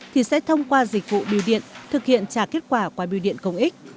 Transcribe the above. thì sẽ thông qua dịch vụ biêu điện thực hiện trả kết quả qua biêu điện công ích